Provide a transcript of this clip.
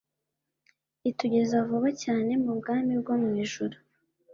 ritugeza vuba cyane mu bwamibwo mw ijuru.